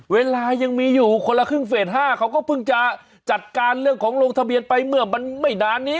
เวลายังมีอยู่คนละครึ่งเฟส๕เขาก็เพิ่งจะจัดการเรื่องของลงทะเบียนไปเมื่อมันไม่นานนี้